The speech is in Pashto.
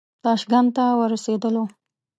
تاشکند ته ورسېدلو.